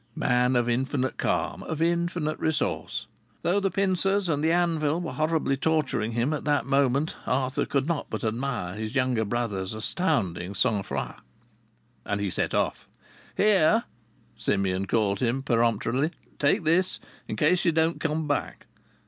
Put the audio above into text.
Man of infinite calm, of infinite resource. Though the pincers and the anvil were horribly torturing him at that moment, Arthur could not but admire his younger brother's astounding sangfroid. And he set off. "Here!" Simeon called him peremptorily. "Take this in case you don't come back."